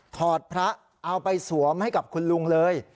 อดพระเอาไปสวมให้กับคุณลุงเลย